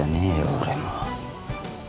俺も。